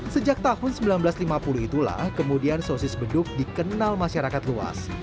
sejak tahun seribu sembilan ratus lima puluh itulah kemudian sosis beduk dikenal masyarakat luas